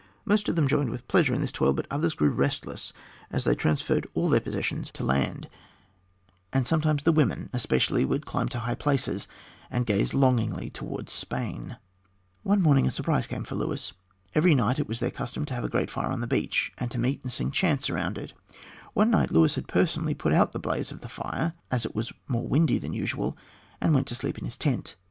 Most of them joined with pleasure in this toil, but others grew restless as they transferred all their possessions to land, and sometimes the women especially would climb to high places and gaze longingly towards Spain. One morning a surprise came to Luis. Every night it was their custom to have a great fire on the beach, and to meet and sing chants around it. One night Luis had personally put out the blaze of the fire, as it was more windy than usual, and went to sleep in his tent.